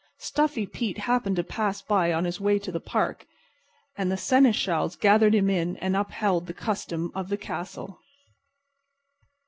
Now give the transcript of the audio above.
Stuffy Pete happened to pass by on his way to the park, and the seneschals gathered him in and upheld the custom of the castle.